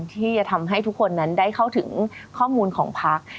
ที่จะทำให้ทุกคนนั้นได้เข้าถึงข้อมูลของพัก